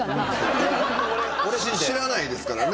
知らないですからね。